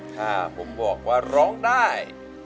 ถ้าผมบอกว่าร้องได้